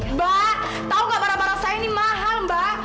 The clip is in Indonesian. mbak tahu nggak barang barang saya ini mahal mbak